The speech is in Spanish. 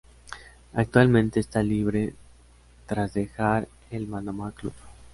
Actualmente está libre tras dejar el Manama Club.